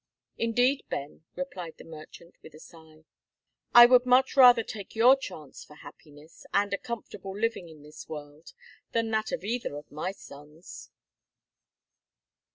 "Indeed, Ben," replied the merchant, with a sigh, "I would much rather take your chance for happiness, and a comfortable living in this world, than that of either of my sons."